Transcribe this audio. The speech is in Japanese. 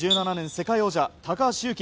世界王者・高橋侑希。